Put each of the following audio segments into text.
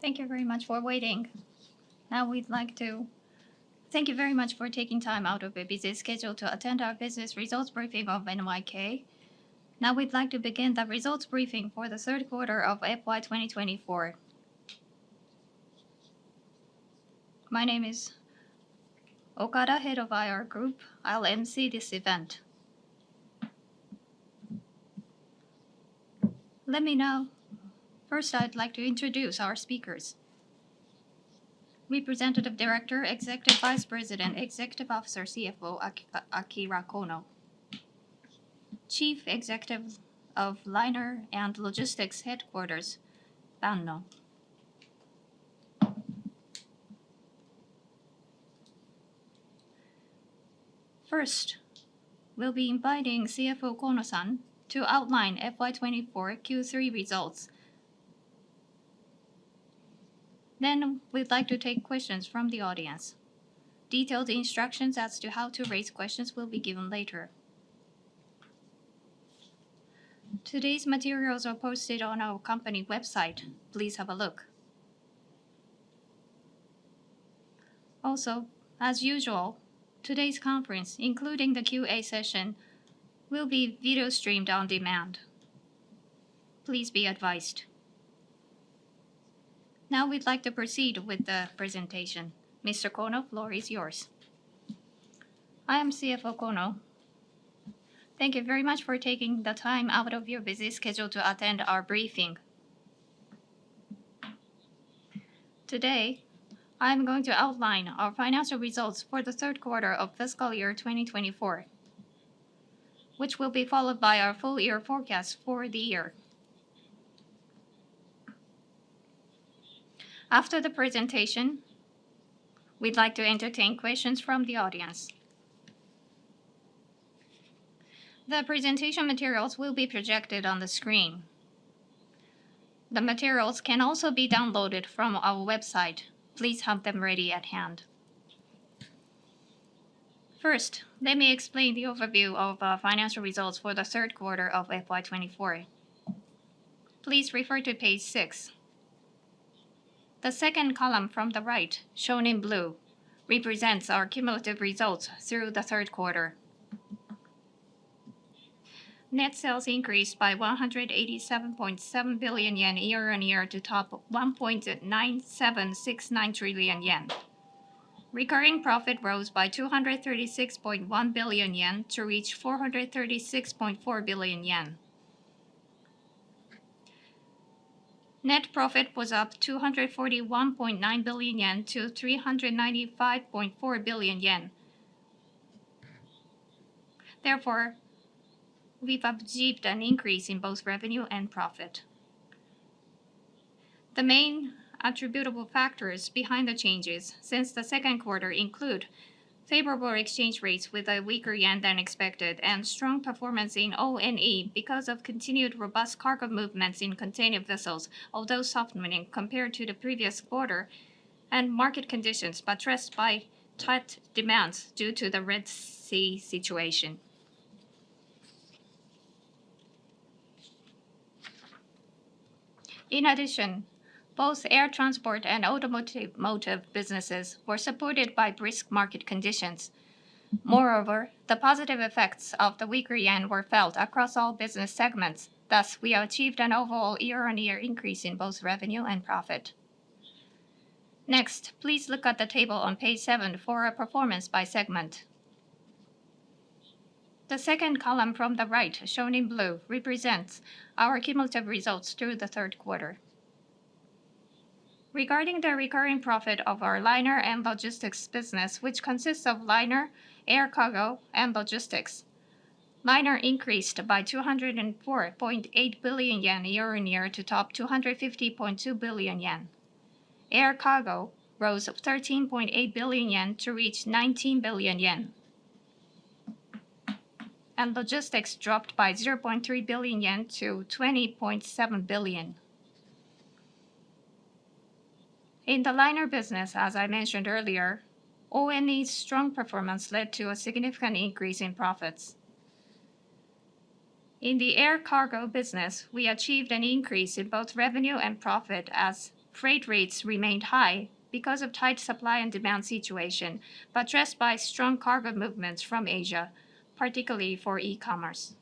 Thank you very much for waiting. Now, we'd like to thank you very much for taking time out of your busy schedule to attend our business results briefing of NYK. Now, we'd like to begin the Results Briefing for the Third Quarter of FY 2024. My name is Okada, Head of IR Group. I'll emcee this event. Let me now, first, I'd like to introduce our speakers. We presented the Director, Executive Vice President, Executive Officer, CFO, Akira Kono, Chief Executive of Liner and Logistics Headquarters, Banno. First, we'll be inviting CFO Kono-san to outline FY 2024 Q3 results. Then, we'd like to take questions from the audience. Detailed instructions as to how to raise questions will be given later. Today's materials are posted on our company website. Please have a look. Also, as usual, today's conference, including the QA session, will be video streamed on demand. Please be advised. Now, we'd like to proceed with the presentation. Mr. Kono, floor is yours. I am CFO Kono. Thank you very much for taking the time out of your busy schedule to attend our briefing. Today, I'm going to outline our Financial Results for the Third Quarter of Fiscal Year 2024, which will be followed by our full year forecast for the year. After the presentation, we'd like to entertain questions from the audience. The presentation materials will be projected on the screen. The materials can also be downloaded from our website. Please have them ready at hand. First, let me explain the overview of our financial results for the third quarter of FY 24. Please refer to page six. The second column from the right, shown in blue, represents our cumulative results through the third quarter. Net sales increased by 187.7 billion yen year on year to top 1.9769 trillion yen. Recurring profit rose by 236.1 billion yen to reach 436.4 billion yen. Net profit was up 241.9 billion yen to 395.4 billion yen. Therefore, we've achieved an increase in both revenue and profit. The main attributable factors behind the changes since the second quarter include favorable exchange rates with a weaker yen than expected and strong performance in O and A because of continued robust cargo movements in container vessels, although softening compared to the previous quarter and market conditions but stressed by tight demands due to the Red Sea situation. In addition, both air transport and automotive businesses were supported by brisk market conditions. Moreover, the positive effects of the weaker yen were felt across all business segments. Thus, we achieved an overall year-on-year increase in both revenue and profit. Next, please look at the table on page seven for a performance by segment. The second column from the right, shown in blue, represents our cumulative results through the third quarter. Regarding the recurring profit of our liner and logistics business, which consists of liner, air cargo, and logistics, liner increased by 204.8 billion yen year on year to top 250.2 billion yen. Air cargo rose 13.8 billion yen to reach 19 billion yen, and logistics dropped by 0.3 billion yen to 20.7 billion. In the liner business, as I mentioned earlier, O and A's strong performance led to a significant increase in profits. In the air cargo business, we achieved an increase in both revenue and profit as freight rates remained high because of tight supply and demand situation but stressed by strong cargo movements from Asia, particularly for e-commerce.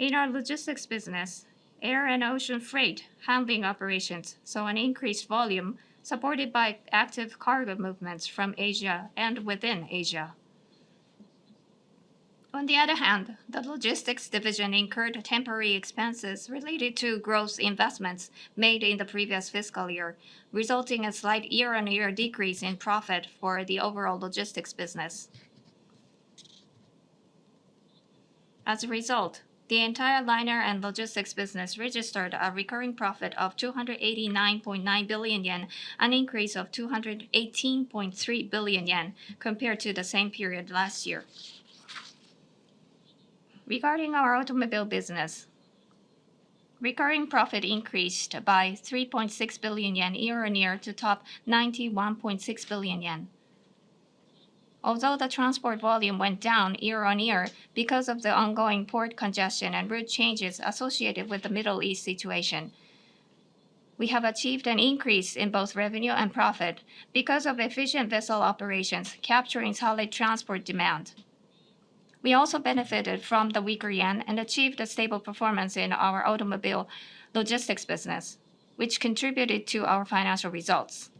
In our logistics business, air and ocean freight handling operations saw an increased volume supported by active cargo movements from Asia and within Asia. On the other hand, the logistics division incurred temporary expenses related to gross investments made in the previous fiscal year, resulting in a slight year-on-year decrease in profit for the overall logistics business. As a result, the entire liner and logistics business registered a recurring profit of 289.9 billion yen, an increase of 218.3 billion yen compared to the same period last year. Regarding our automobile business, recurring profit increased by 3.6 billion yen year on year to top 91.6 billion yen. Although the transport volume went down year on year because of the ongoing port congestion and route changes associated with the Middle East situation, we have achieved an increase in both revenue and profit because of efficient vessel operations capturing solid transport demand. We also benefited from the weaker yen and achieved a stable performance in our automobile logistics business, which contributed to our financial results.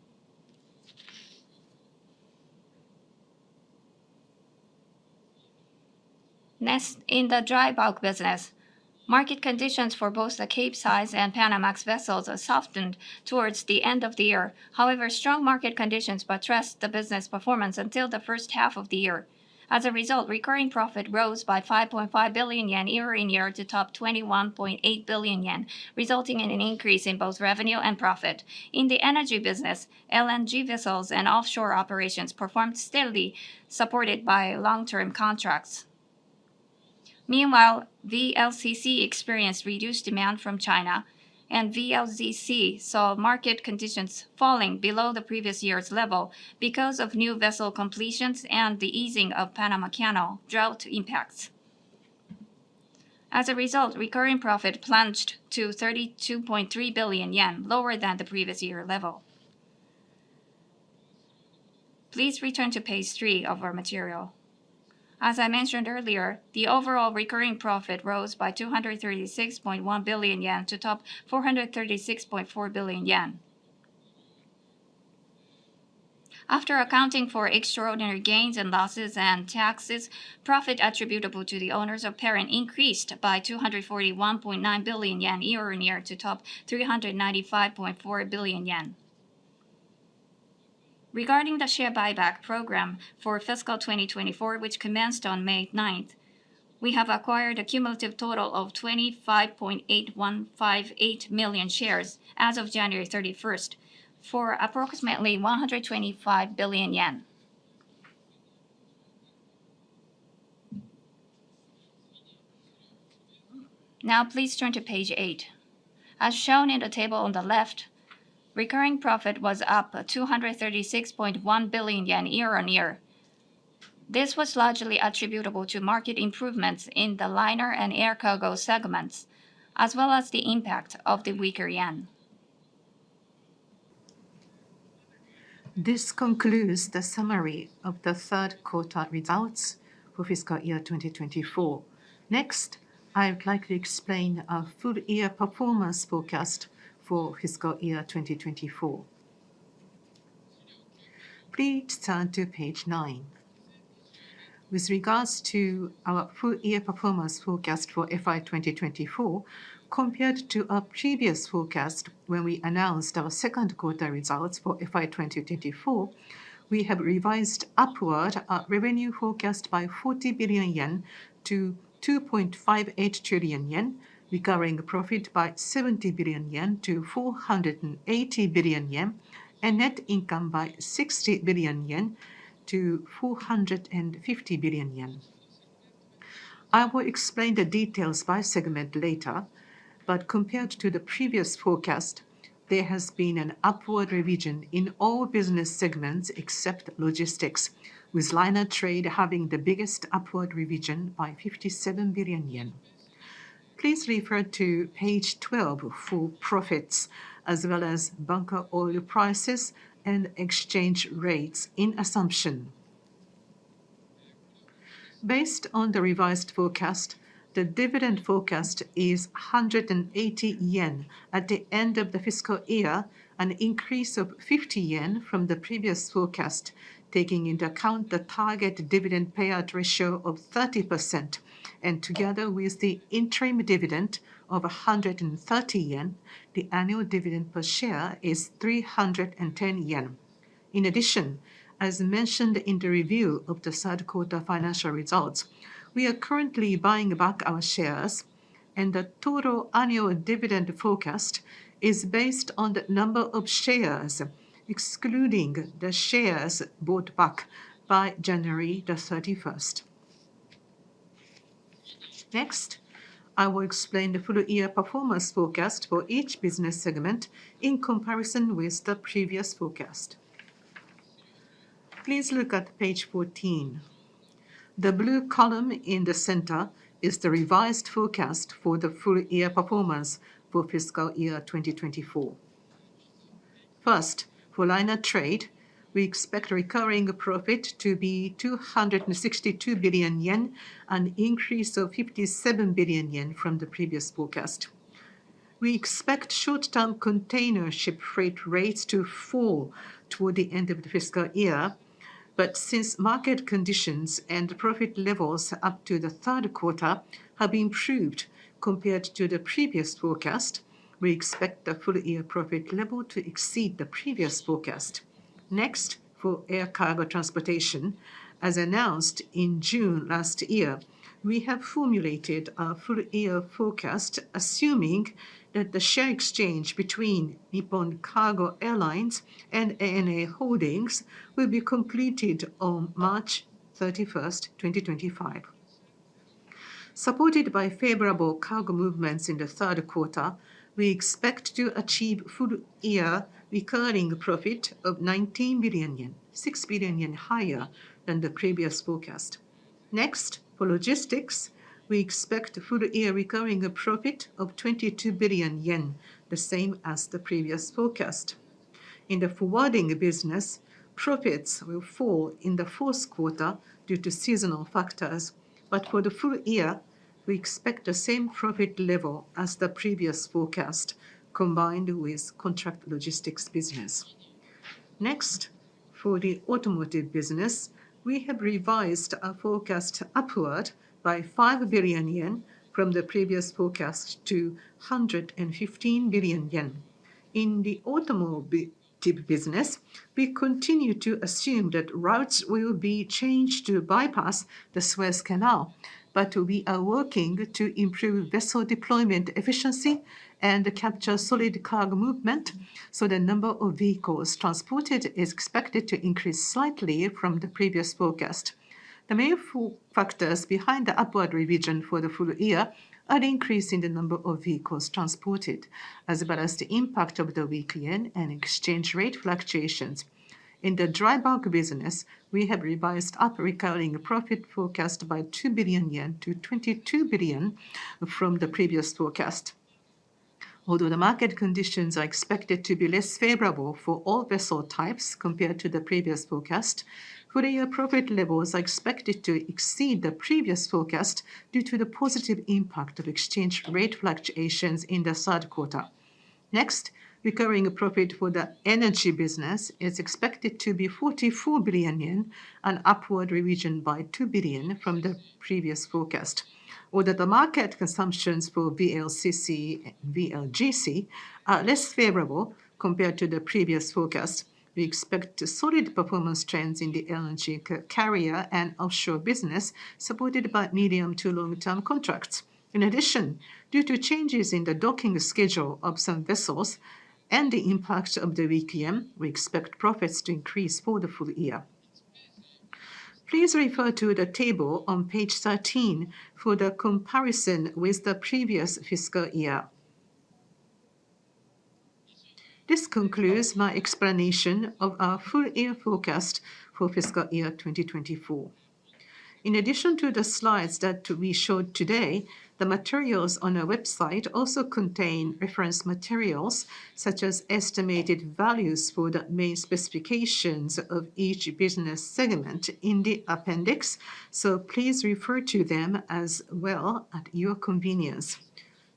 Next, in the dry bulk business, market conditions for both the Capesize and Panamax vessels softened towards the end of the year. However, strong market conditions boosted the business performance until the first half of the year. As a result, recurring profit rose by 5.5 billion yen year on year to top 21.8 billion yen, resulting in an increase in both revenue and profit. In the energy business, LNG vessels and offshore operations performed steadily, supported by long-term contracts. Meanwhile, VLCC experienced reduced demand from China, and VLCC saw market conditions falling below the previous year's level because of new vessel completions and the easing of Panama Canal drought impacts. As a result, recurring profit plunged to 32.3 billion yen, lower than the previous year level. Please return to page three of our material. As I mentioned earlier, the overall recurring profit rose by 236.1 billion yen to top 436.4 billion yen. After accounting for extraordinary gains and losses and taxes, profit attributable to the owners of the parent increased by 241.9 billion yen year on year to top 395.4 billion yen. Regarding the share buyback program for fiscal 2024, which commenced on May 9th, we have acquired a cumulative total of 25.8158 million shares as of January 31st for approximately JPY 125 billion. Now, please turn to page eight. As shown in the table on the left, recurring profit was up 236.1 billion yen year on year. This was largely attributable to market improvements in the liner and air cargo segments, as well as the impact of the weaker yen. This concludes the summary of the third quarter results for fiscal year 2024. Next, I'd like to explain our full year performance forecast for fiscal year 2024. Please turn to page nine. With regards to our full year performance forecast for FY 2024, compared to our previous forecast when we announced our second quarter results for FY 2024, we have revised upward our revenue forecast by 40 billion yen to 2.58 trillion yen, recurring profit by 70 billion yen to 480 billion yen, and net income by 60 billion yen to 450 billion yen. I will explain the details by segment later, but compared to the previous forecast, there has been an upward revision in all business segments except logistics, with liner trade having the biggest upward revision by 57 billion yen. Please refer to page 12 for profits, as well as bunker oil prices and exchange rates in assumption. Based on the revised forecast, the dividend forecast is 180 yen at the end of the fiscal year, an increase of 50 yen from the previous forecast, taking into account the target dividend payout ratio of 30%, and together with the interim dividend of 130 yen, the annual dividend per share is 310 yen. In addition, as mentioned in the review of the third quarter financial results, we are currently buying back our shares, and the total annual dividend forecast is based on the number of shares, excluding the shares bought back by January the 31st. Next, I will explain the full year performance forecast for each business segment in comparison with the previous forecast. Please look at page 14. The blue column in the center is the revised forecast for the full year performance for fiscal year 2024. First, for liner trade, we expect recurring profit to be 262 billion yen, an increase of 57 billion yen from the previous forecast. We expect short-term container ship freight rates to fall toward the end of the fiscal year, but since market conditions and profit levels up to the third quarter have improved compared to the previous forecast, we expect the full year profit level to exceed the previous forecast. Next, for air cargo transportation, as announced in June last year, we have formulated our full year forecast assuming that the share exchange between Nippon Cargo Airlines and ANA Holdings will be completed on March 31st, 2025. Supported by favorable cargo movements in the third quarter, we expect to achieve full year recurring profit of 19 billion yen, 6 billion yen higher than the previous forecast. Next, for logistics, we expect full-year recurring profit of 22 billion yen, the same as the previous forecast. In the forwarding business, profits will fall in the fourth quarter due to seasonal factors, but for the full year, we expect the same profit level as the previous forecast, combined with contract logistics business. Next, for the automotive business, we have revised our forecast upward by 5 billion yen from the previous forecast to 115 billion yen. In the automotive business, we continue to assume that routes will be changed to bypass the Suez Canal, but we are working to improve vessel deployment efficiency and capture solid cargo movement, so the number of vehicles transported is expected to increase slightly from the previous forecast. The main factors behind the upward revision for the full year are the increase in the number of vehicles transported, as well as the impact of the weaker yen and exchange rate fluctuations. In the dry bulk business, we have revised up recurring profit forecast by 2 billion yen to 22 billion from the previous forecast. Although the market conditions are expected to be less favorable for all vessel types compared to the previous forecast, full year profit levels are expected to exceed the previous forecast due to the positive impact of exchange rate fluctuations in the third quarter. Next, recurring profit for the energy business is expected to be 44 billion yen, an upward revision by 2 billion from the previous forecast. Although the market conditions for VLCC and VLGC are less favorable compared to the previous forecast, we expect solid performance trends in the LNG carrier and offshore business, supported by medium to long-term contracts. In addition, due to changes in the docking schedule of some vessels and the impact of the weaker yen, we expect profits to increase for the full year. Please refer to the table on page 13 for the comparison with the previous fiscal year. This concludes my explanation of our full year forecast for fiscal year 2024. In addition to the slides that we showed today, the materials on our website also contain reference materials such as estimated values for the main specifications of each business segment in the appendix, so please refer to them as well at your convenience.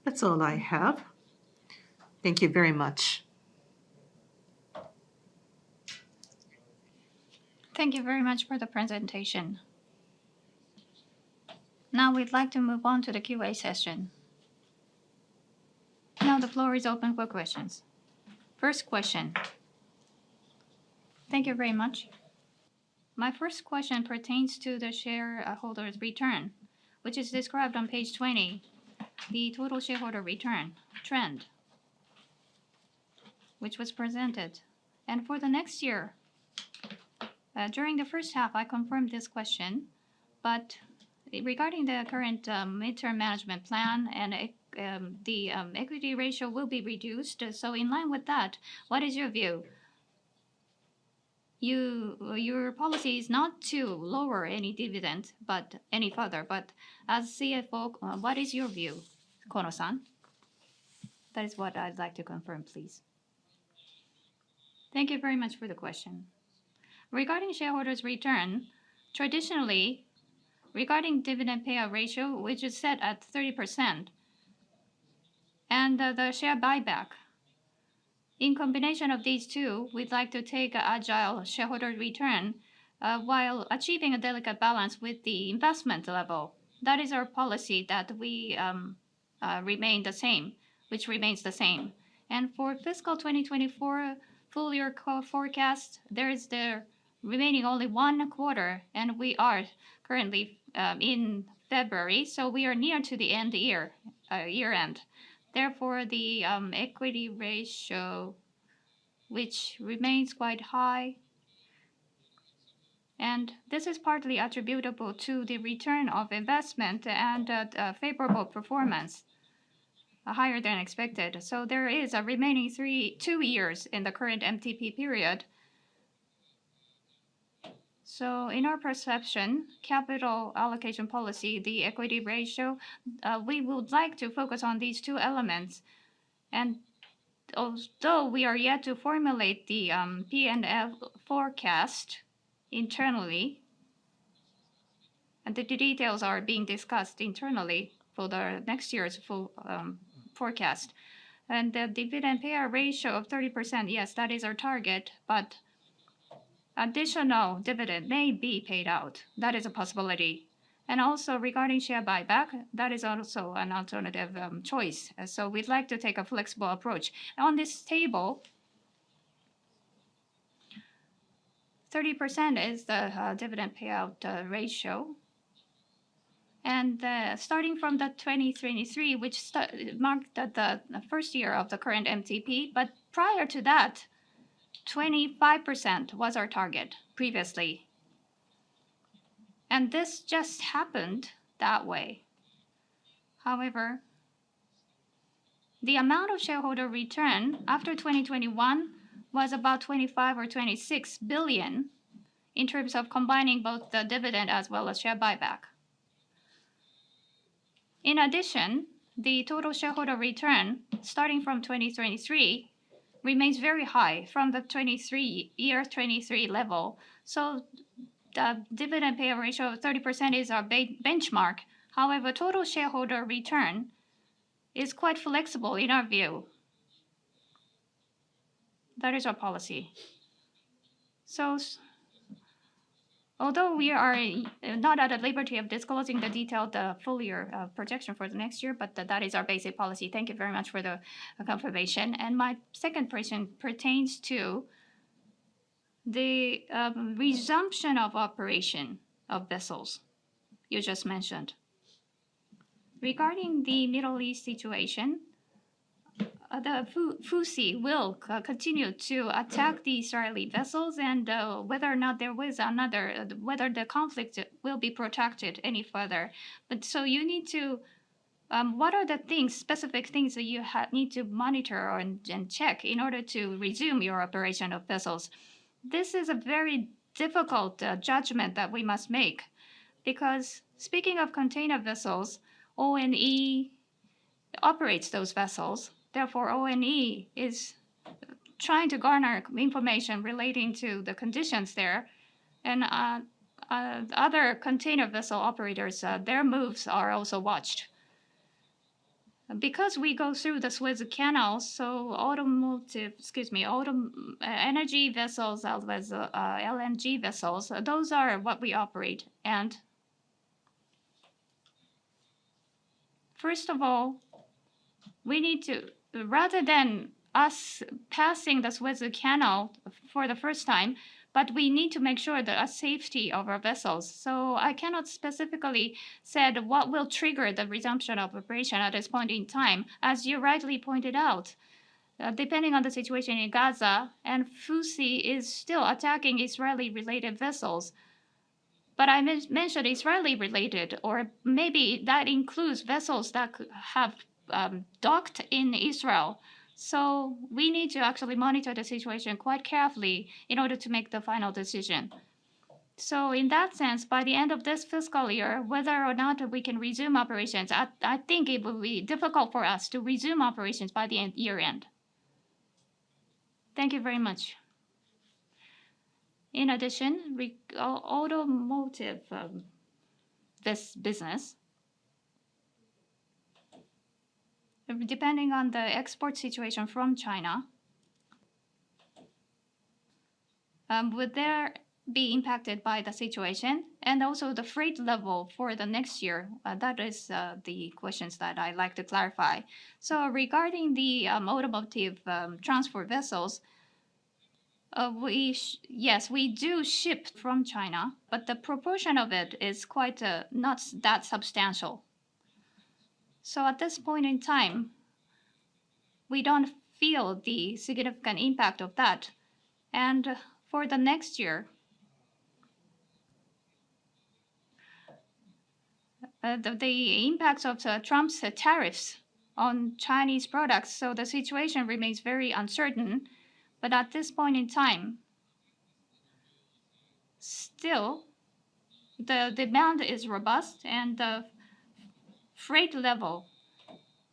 That's all I have. Thank you very much. Thank you very much for the presentation. Now we'd like to move on to the Q&A session. Now the floor is open for questions. First question. Thank you very much. My first question pertains to the shareholders' return, which is described on page 20, the total shareholder return trend, which was presented. And for the next year, during the first half, I confirmed this question, but regarding the current midterm management plan and the equity ratio will be reduced. So in line with that, what is your view? Your policy is not to lower any dividend, but any further, but as CFO, what is your view, Kono-san? That is what I'd like to confirm, please. Thank you very much for the question. Regarding shareholders' return, traditionally, regarding dividend payout ratio, which is set at 30%, and the share buyback, in combination of these two, we'd like to take agile shareholder return while achieving a delicate balance with the investment level. That is our policy that we remain the same, which remains the same. For fiscal 2024 full year forecast, there is the remaining only one quarter, and we are currently in February, so we are near to the end year, year end. Therefore, the equity ratio, which remains quite high, and this is partly attributable to the return of investment and favorable performance, higher than expected. There is a remaining two years in the current MTP period. In our perception, capital allocation policy, the equity ratio, we would like to focus on these two elements. Although we are yet to formulate the P&L forecast internally, and the details are being discussed internally for the next year's forecast, and the dividend payout ratio of 30%, yes, that is our target, but additional dividend may be paid out. That is a possibility. Also regarding share buyback, that is also an alternative choice. We'd like to take a flexible approach. On this table, 30% is the dividend payout ratio. Starting from 2023, which marked the first year of the current MTP, but prior to that, 25% was our target previously. This just happened that way. However, the amount of shareholder return after 2021 was about 25 billion or 26 billion in terms of combining both the dividend as well as share buyback. In addition, the total shareholder return starting from 2023 remains very high from the 2023 level. So the dividend payout ratio of 30% is our benchmark. However, total shareholder return is quite flexible in our view. That is our policy. So although we are not at the liberty of disclosing the detail, the full year projection for the next year, but that is our basic policy. Thank you very much for the confirmation. And my second question pertains to the resumption of operation of vessels you just mentioned. Regarding the Middle East situation, the Houthis will continue to attack the Israeli vessels and whether or not there was another, whether the conflict will be escalated any further. But so you need to, what are the things, specific things that you need to monitor and check in order to resume your operation of vessels? This is a very difficult judgment that we must make because speaking of container vessels, ONE operates those vessels. Therefore, ONE is trying to garner information relating to the conditions there. And other container vessel operators, their moves are also watched. Because we go through the Suez Canal, so automotive, excuse me, energy vessels as well as LNG vessels, those are what we operate. And first of all, we need to, rather than us passing the Suez Canal for the first time, but we need to make sure the safety of our vessels. So I cannot specifically say what will trigger the resumption of operation at this point in time, as you rightly pointed out, depending on the situation in Gaza, and Houthi is still attacking Israeli-related vessels. But I mentioned Israeli-related, or maybe that includes vessels that have docked in Israel. So we need to actually monitor the situation quite carefully in order to make the final decision. So in that sense, by the end of this fiscal year, whether or not we can resume operations, I think it will be difficult for us to resume operations by the year end. Thank you very much. In addition, automotive business, depending on the export situation from China, would there be impacted by the situation and also the freight level for the next year? That is the questions that I'd like to clarify. So regarding the automotive transport vessels, yes, we do ship from China, but the proportion of it is quite not that substantial. So at this point in time, we don't feel the significant impact of that. And for the next year, the impact of Trump's tariffs on Chinese products, so the situation remains very uncertain. But at this point in time, still, the demand is robust and the freight level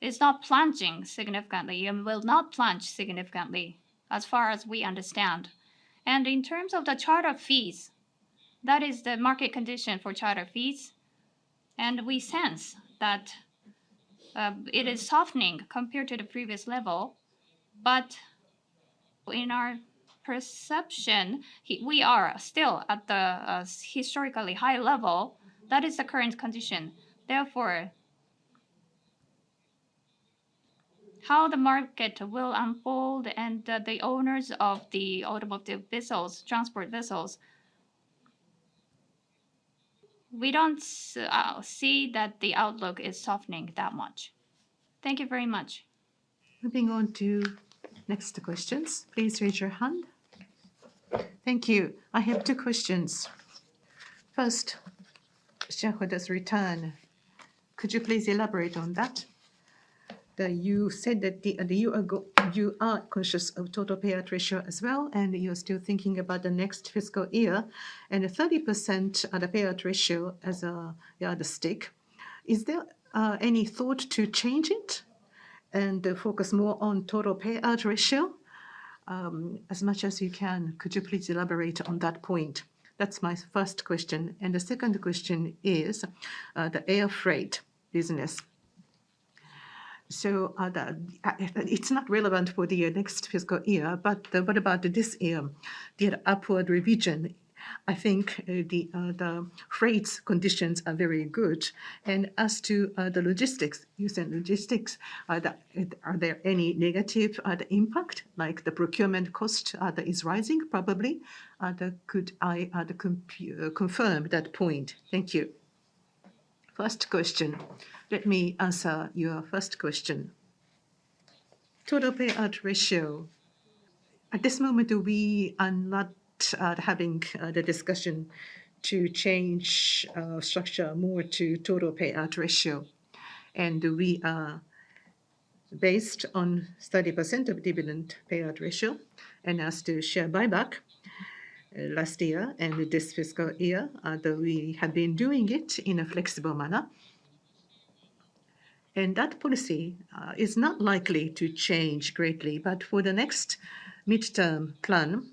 is not plunging significantly and will not plunge significantly as far as we understand. And in terms of the charter fees, that is the market condition for charter fees. And we sense that it is softening compared to the previous level. But in our perception, we are still at the historically high level. That is the current condition. Therefore, how the market will unfold and the owners of the automotive vessels, transport vessels, we don't see that the outlook is softening that much. Thank you very much. Moving on to next questions. Please raise your hand. Thank you. I have two questions. First, shareholders' return. Could you please elaborate on that? You said that you are conscious of total payout ratio as well, and you're still thinking about the next fiscal year and a 30% payout ratio as the other stick. Is there any thought to change it and focus more on total payout ratio as much as you can? Could you please elaborate on that point? That's my first question, and the second question is the air freight business. So it's not relevant for the next fiscal year, but what about this year? The upward revision, I think the freight conditions are very good. And as to the logistics, you said logistics, are there any negative impact, like the procurement cost that is rising? Probably. Could I confirm that point? Thank you. First question. Let me answer your first question. Total payout ratio. At this moment, we are not having the discussion to change structure more to total payout ratio. We are based on 30% of dividend payout ratio and as to share buyback last year and this fiscal year, we have been doing it in a flexible manner. That policy is not likely to change greatly, but for the next midterm plan,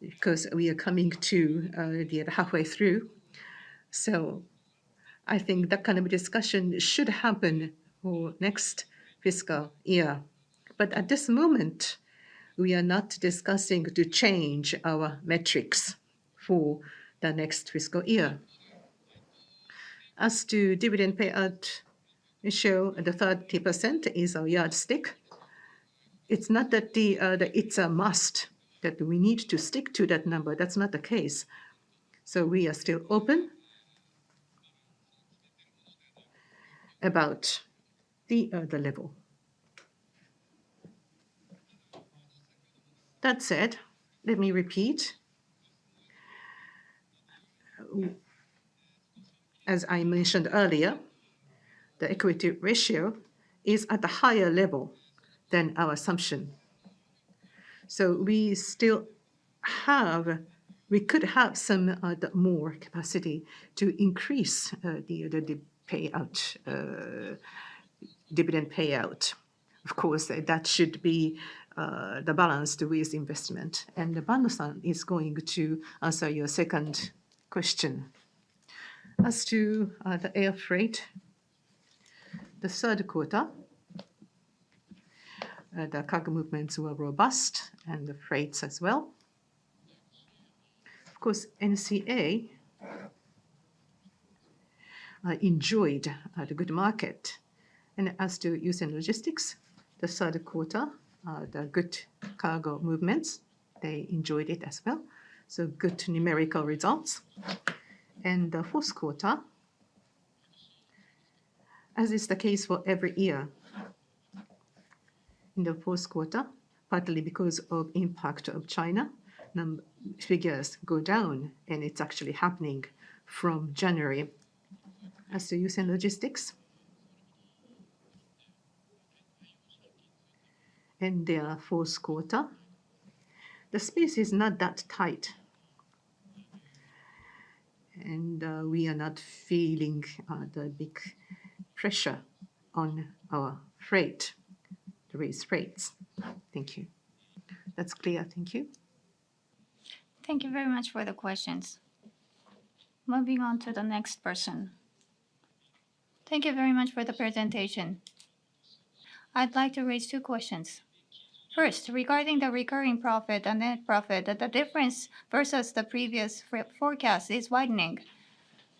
because we are coming to the other halfway through, so I think that kind of discussion should happen for next fiscal year. At this moment, we are not discussing to change our metrics for the next fiscal year. As to dividend payout ratio, the 30% is our yardstick. It's not that it's a must that we need to stick to that number. That's not the case. We are still open about the other level. That said, let me repeat. As I mentioned earlier, the equity ratio is at a higher level than our assumption. We still have, we could have some more capacity to increase the dividend payout. Of course, that should be balanced with investment. Banno-san is going to answer your second question. As to the air freight, in the third quarter, the cargo movements were robust and the freights as well. Of course, NCA enjoyed the good market. As to Yusen Logistics, in the third quarter, the good cargo movements, they enjoyed it as well. So good numerical results. In the fourth quarter, as is the case for every year, partly because of impact of China, figures go down and it's actually happening from January. As to Yusen Logistics, in the fourth quarter, the space is not that tight. We are not feeling the big pressure on our freight, the raised freights. Thank you. That's clear. Thank you. Thank you very much for the questions. Moving on to the next person. Thank you very much for the presentation. I'd like to raise two questions. First, regarding the recurring profit and net profit, the difference versus the previous forecast is widening.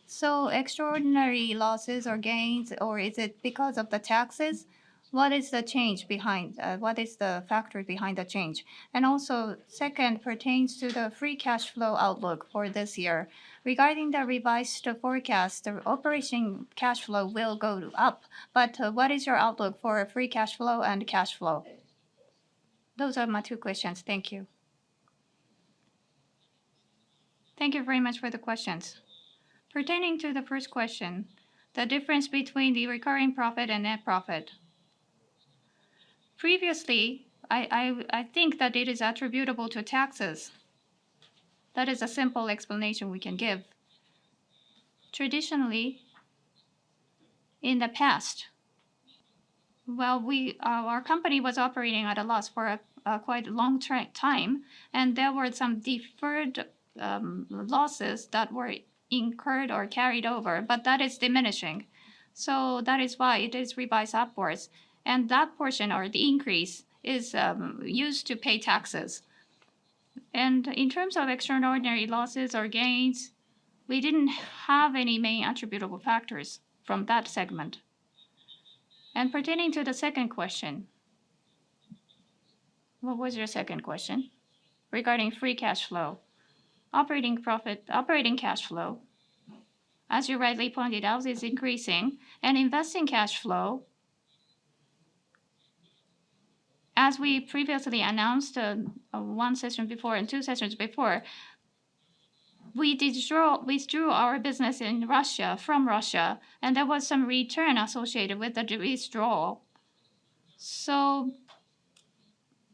So extraordinary losses or gains, or is it because of the taxes? What is the change behind? What is the factor behind the change? And also, second, pertains to the free cash flow outlook for this year. Regarding the revised forecast, the operating cash flow will go up, but what is your outlook for free cash flow and cash flow? Those are my two questions. Thank you. Thank you very much for the questions. Pertaining to the first question, the difference between the recurring profit and net profit. Previously, I think that it is attributable to taxes. That is a simple explanation we can give. Traditionally, in the past, while our company was operating at a loss for a quite long time, and there were some deferred losses that were incurred or carried over, but that is diminishing. So that is why it is revised upwards. And that portion or the increase is used to pay taxes. And in terms of extraordinary losses or gains, we didn't have any main attributable factors from that segment. And pertaining to the second question, what was your second question? Regarding free cash flow, operating cash flow, as you rightly pointed out, is increasing. And investing cash flow, as we previously announced one session before and two sessions before, we withdrew our business in Russia from Russia, and there was some return associated with the withdrawal. So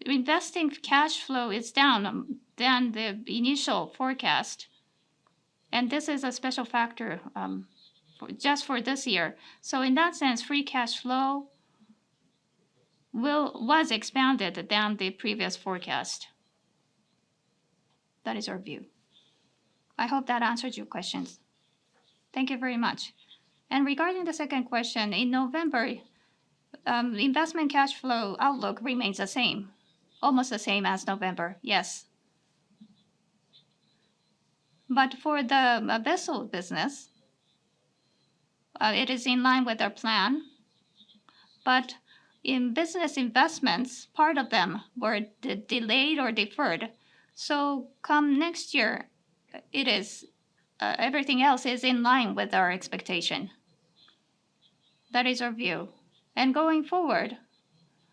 investing cash flow is down than the initial forecast. And this is a special factor just for this year. In that sense, free cash flow was expanded than the previous forecast. That is our view. I hope that answered your questions. Thank you very much. Regarding the second question, in November, investing cash flow outlook remains the same, almost the same as November. Yes. For the vessel business, it is in line with our plan. In business investments, part of them were delayed or deferred. Come next year, everything else is in line with our expectation. That is our view. Going forward,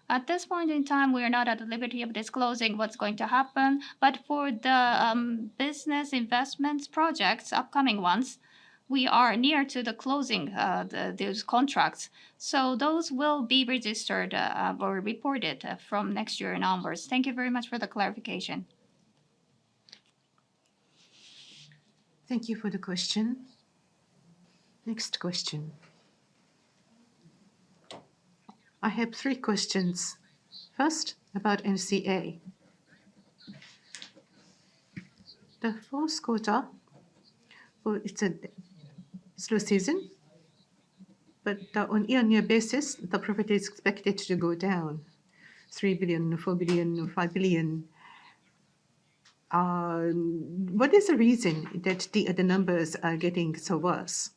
at this point in time, we are not at the liberty of disclosing what's going to happen. For the business investment projects, upcoming ones, we are near to the closing of those contracts. Those will be registered or reported from next year in numbers. Thank you very much for the clarification. Thank you for the question. Next question. I have three questions. First, about NCA. The fourth quarter, it's a slow season, but on a year-on-year basis, the profit is expected to go down, 3 billion, 4 billion, 5 billion. What is the reason that the numbers are getting so worse?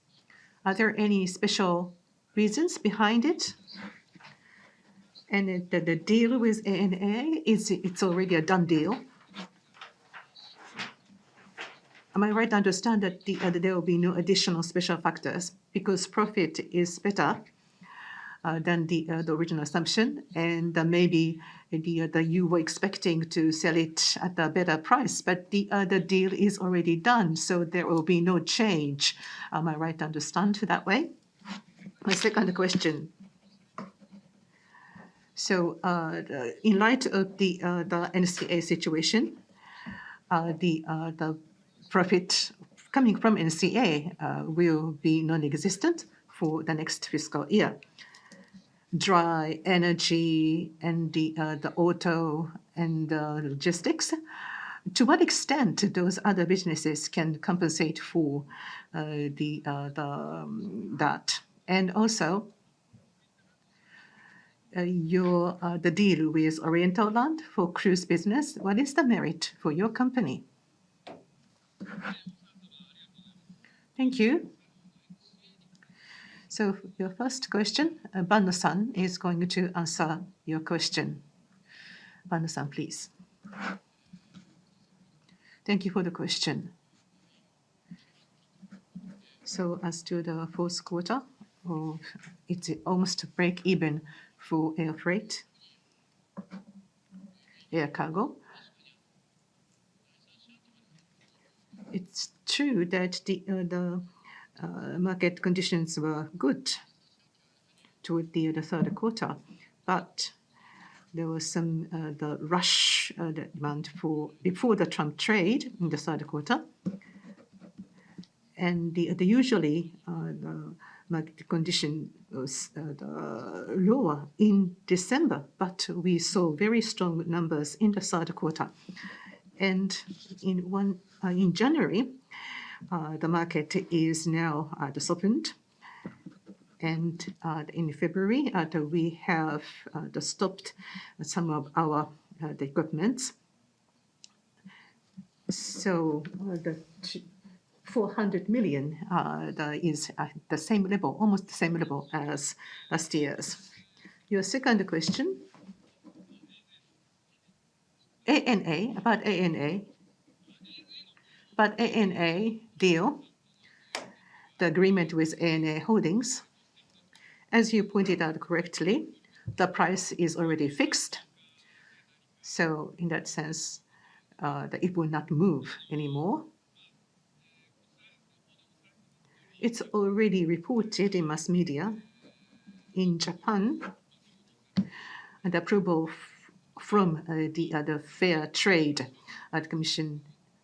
Are there any special reasons behind it? And the deal with ANA, it's already a done deal. Am I right to understand that there will be no additional special factors because profit is better than the original assumption? And maybe you were expecting to sell it at a better price, but the deal is already done, so there will be no change. Am I right to understand that way? My second question. So in light of the NCA situation, the profit coming from NCA will be nonexistent for the next fiscal year. Dry energy and the auto and logistics, to what extent those other businesses can compensate for that? And also, the deal with Oriental Land for cruise business, what is the merit for your company? Thank you. So your first question, Banno-san is going to answer your question. Banno-san, please. Thank you for the question. So as to the fourth quarter, it's almost a break-even for air freight, air cargo. It's true that the market conditions were good toward the third quarter, but there was some rush demand before the Trump trade in the third quarter. And usually, the market condition was lower in December, but we saw very strong numbers in the third quarter. And in January, the market is now disappointing. And in February, we have stopped some of our developments. So the 400 million is at the same level, almost the same level as last year's. Your second question. ANA, about ANA. About ANA deal, the agreement with ANA Holdings. As you pointed out correctly, the price is already fixed. So in that sense, it will not move anymore. It's already reported in mass media in Japan. The approval from the Fair Trade Commission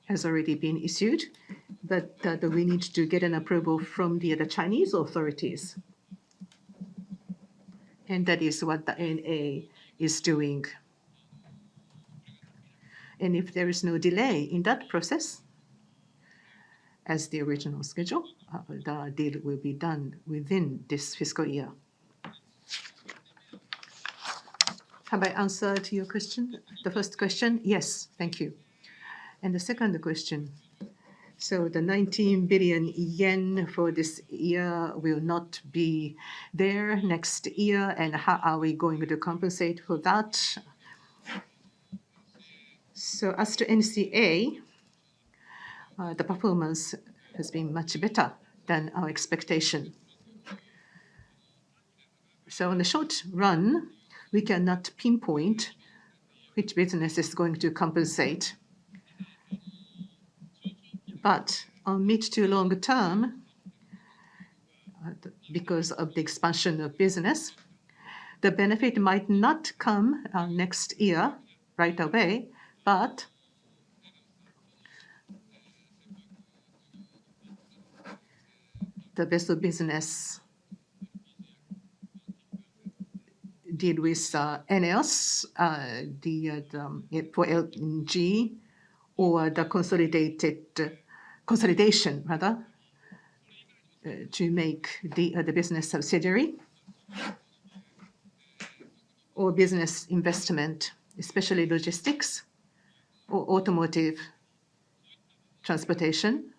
has already been issued, but we need to get an approval from the Chinese authorities. And that is what the ANA is doing. And if there is no delay in that process, as the original schedule, the deal will be done within this fiscal year. Have I answered your question? The first question, yes. Thank you. And the second question. So the 19 billion yen for this year will not be there next year. And how are we going to compensate for that? So as to NCA, the performance has been much better than our expectation. In the short run, we cannot pinpoint which business is going to compensate. But on mid to long term, because of the expansion of business, the benefit might not come next year right away, but the vessel business deal with NS, the for LNG, or the consolidation, rather, to make the business subsidiary or business investment, especially logistics or automotive transportation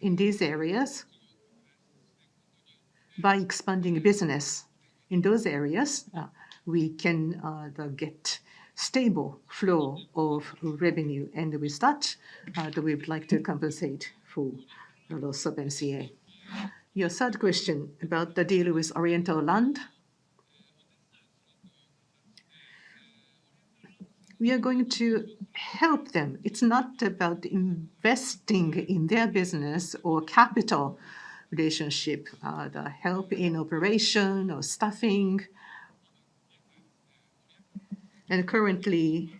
in these areas. By expanding business in those areas, we can get a stable flow of revenue. And with that, we would like to compensate for the loss of NCA. Your third question about the deal with Oriental Land. We are going to help them. It's not about investing in their business or capital relationship, the help in operation or staffing. And currently,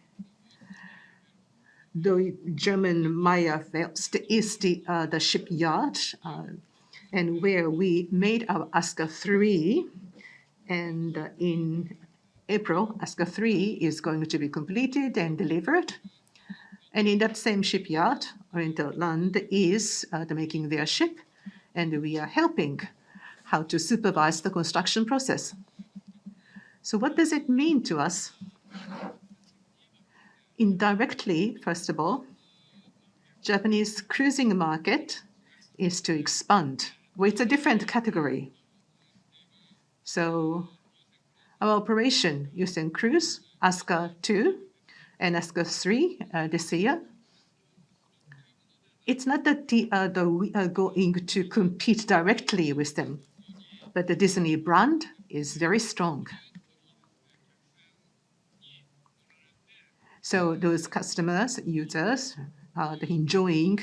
the German shipyard Meyer Werft is the shipyard and where we made our Asuka III. And in April, Asuka III is going to be completed and delivered. And in that same shipyard, Oriental Land is making their ship. And we are helping how to supervise the construction process. So what does it mean to us? Indirectly, first of all, Japanese cruising market is to expand with a different category. So our operation using cruise, Asuka II and Asuka III this year, it's not that we are going to compete directly with them, but the Disney brand is very strong. So those customers, users are enjoying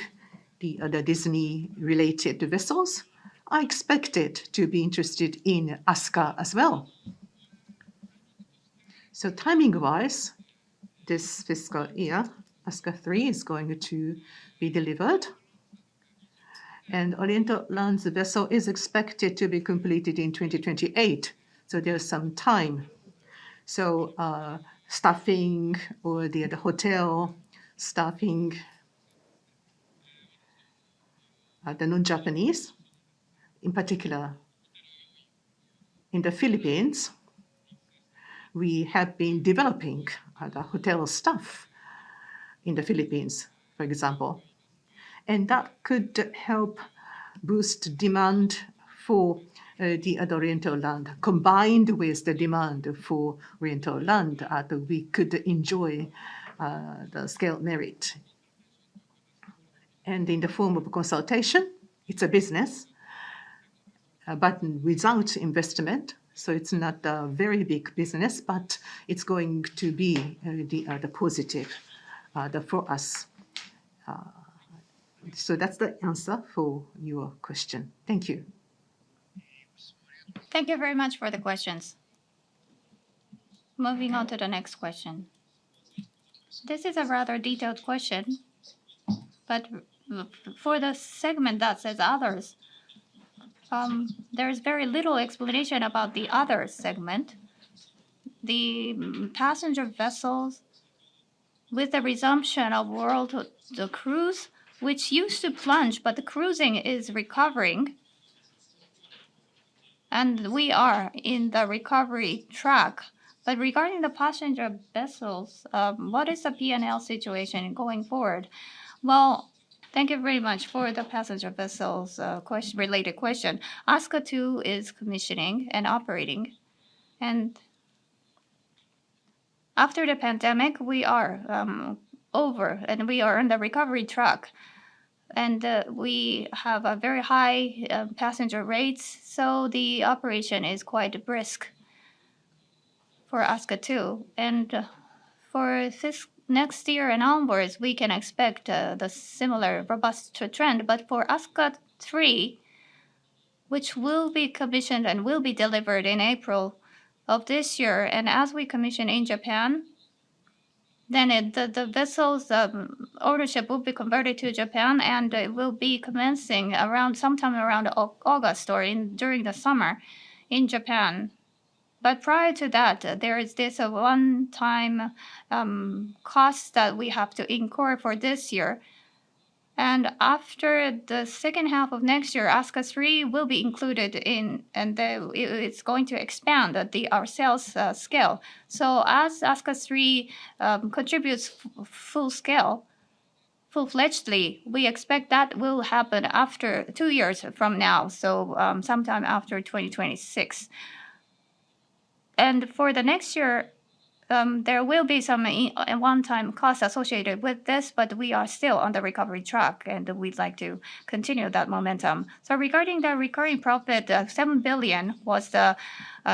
the Disney-related vessels. I expect them to be interested in Asuka as well. So timing-wise, this fiscal year, Asuka III is going to be delivered. And Oriental Land's vessel is expected to be completed in 2028. So there's some time. So staffing or the hotel staffing, the non-Japanese, in particular, in the Philippines, we have been developing the hotel staff in the Philippines, for example. That could help boost demand for the Oriental Land, combined with the demand for Oriental Land, that we could enjoy the scale merit. In the form of consultation, it's a business, but without investment. So it's not a very big business, but it's going to be the positive for us. So that's the answer for your question. Thank you. Thank you very much for the questions. Moving on to the next question. This is a rather detailed question, but for the segment that says others, there is very little explanation about the other segment. The passenger vessels with the resumption of world cruise, which used to plunge, but the cruising is recovering. We are in the recovery track. Regarding the passenger vessels, what is the P&L situation going forward? Well. Thank you very much for the passenger vessels related question. Asuka II is commissioning and operating. After the pandemic, we are over, and we are in the recovery track. We have very high passenger rates. The operation is quite brisk for Asuka II. For next year and onwards, we can expect the similar robust trend. As for Asuka III, which will be commissioned and will be delivered in April of this year, and as we commission in Japan, then the vessel's ownership will be converted to Japan, and it will be commencing around sometime around August or during the summer in Japan. Prior to that, there is this one-time cost that we have to incur for this year. After the second half of next year, Asuka III will be included in, and it's going to expand our sales scale. As Asuka III contributes full scale, full-fledgedly, we expect that will happen after two years from now, so sometime after 2026. And for the next year, there will be some one-time cost associated with this, but we are still on the recovery track, and we'd like to continue that momentum. Regarding the recurring profit, 7 billion was the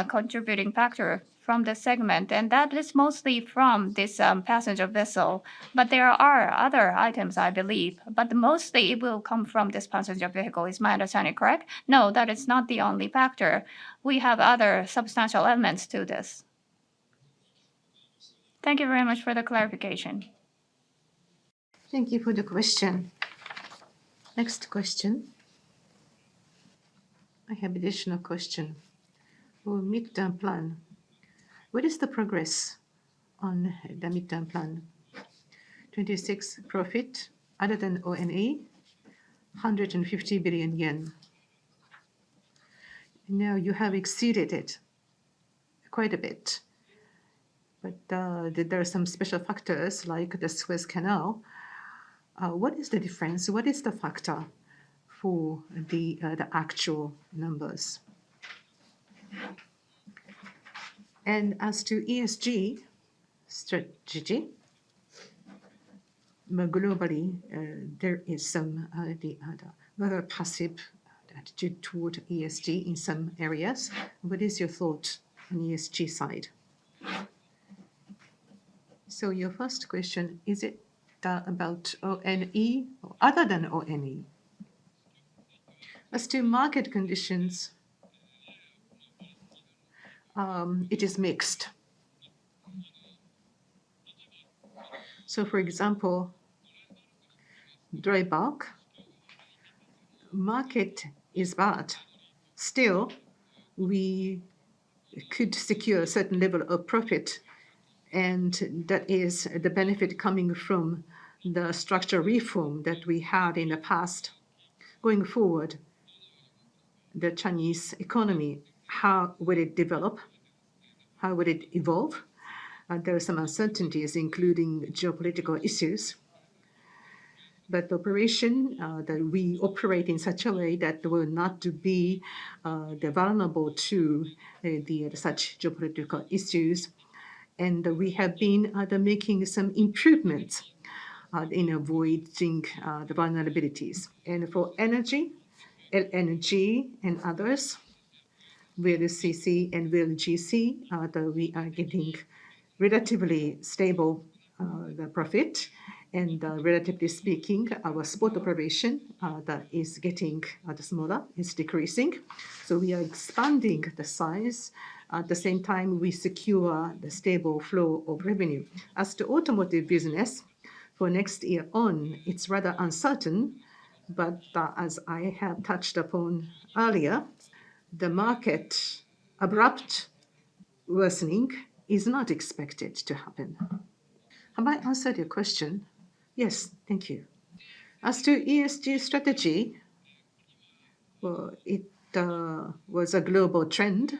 contributing factor from the segment. And that is mostly from this passenger vessel. But there are other items, I believe. But mostly, it will come from this passenger vessel, is my understanding correct? No, that is not the only factor. We have other substantial elements to this. Thank you very much for the clarification. Thank you for the question. Next question. I have an additional question. Mid-term plan. What is the progress on the mid-term plan? 2026 profit other than ONE, 150 billion yen. Now, you have exceeded it quite a bit, but there are some special factors like the Suez Canal. What is the difference? What is the factor for the actual numbers?, and as to ESG strategy, globally, there is some rather passive attitude toward ESG in some areas. What is your thought on ESG side?, so your first question, is it about ONE or other than ONE? As to market conditions, it is mixed, so for example, dry bulk, market is bad. Still, we could secure a certain level of profit, and that is the benefit coming from the structure reform that we had in the past. Going forward, the Chinese economy, how will it develop? How will it evolve? There are some uncertainties, including geopolitical issues, but the operation, that we operate in such a way that we will not be vulnerable to such geopolitical issues. We have been making some improvements in avoiding the vulnerabilities. For energy, LNG and others, VLCC and VLGC, we are getting relatively stable profit. Relatively speaking, our spot operation that is getting smaller is decreasing. We are expanding the size. At the same time, we secure the stable flow of revenue. As to automotive business, for next year on, it's rather uncertain. But as I have touched upon earlier, the market abrupt worsening is not expected to happen. Have I answered your question? Yes, thank you. As to ESG strategy, it was a global trend.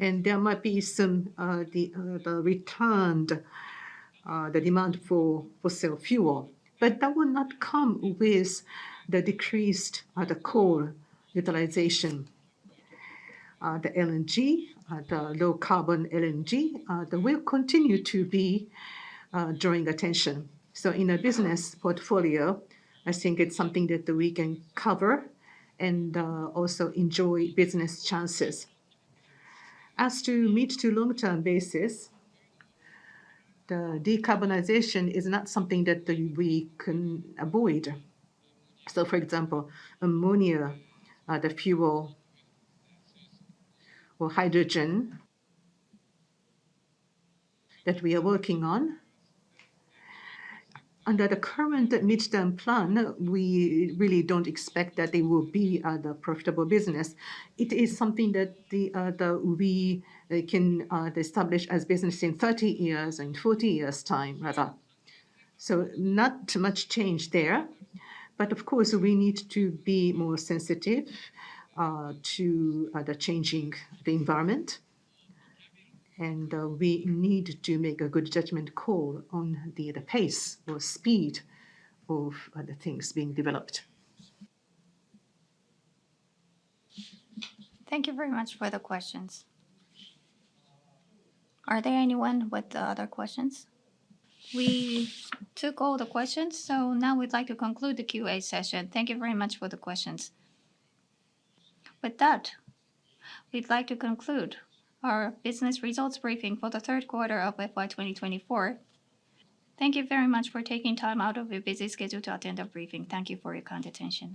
There might be some rebound demand for fossil fuel. But that will not come with the decreased coal utilization. The LNG, the low carbon LNG, will continue to be drawing attention. In a business portfolio, I think it's something that we can cover and also enjoy business chances. As to a mid- to long-term basis, the decarbonization is not something that we can avoid. So for example, ammonia, the fuel, or hydrogen that we are working on. Under the current mid-term plan, we really don't expect that they will be a profitable business. It is something that we can establish as business in 30 years and 40 years' time, rather. So not much change there. But of course, we need to be more sensitive to the changing environment. And we need to make a good judgment call on the pace or speed of the things being developed. Thank you very much for the questions. Are there anyone with other questions? We took all the questions. So now we'd like to conclude the Q&A session. Thank you very much for the questions. With that, we'd like to conclude our business results briefing for the third quarter of FY 2024. Thank you very much for taking time out of your busy schedule to attend the briefing. Thank you for your kind attention.